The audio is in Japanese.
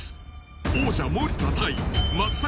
王者・森田対松阪